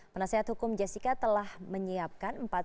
penasihat hukum jessica telah menyiapkan